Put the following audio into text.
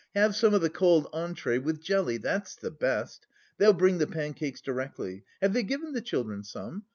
Have some of the cold entrée with jelly, that's the best. They'll bring the pancakes directly. Have they given the children some?